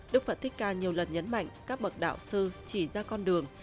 đức phật thích ca nhiều lần nhấn mạnh các bậc đạo sư chỉ ra con đường